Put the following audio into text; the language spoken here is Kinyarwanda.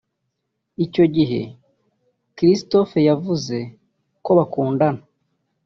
Icyo gihe Christopher yavuze ko bakundana